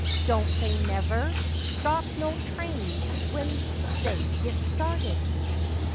Don't they never Stop no trains when they git started?